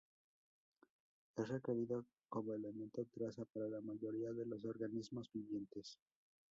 Es requerido como elemento traza para la mayoría de los organismos vivientes.